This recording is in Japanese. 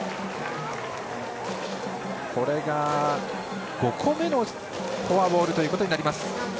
これが５個目のフォアボールとなります。